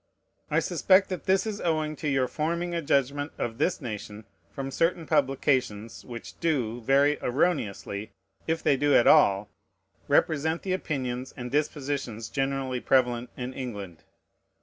I suspect that this is owing to your forming a judgment of this nation from certain publications, which do, very erroneously, if they do at all, represent the opinions and dispositions generally prevalent in England.